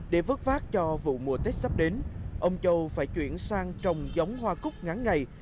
để vớt vát cho vụ mùa tết sắp đến ông châu phải chuyển sang trồng giống hoa cúc ngắn ngày